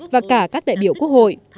và cả các đại biểu quốc hội